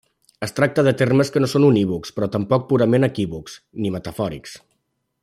Es tracta de termes que no són unívocs, però tampoc purament equívocs, ni metafòrics.